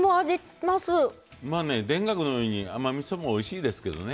まあね田楽のように甘みそもおいしいですけどね。